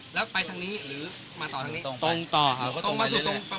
อ่ะเดี๋ยวพ่อมาสู่ตรงประมาณไหน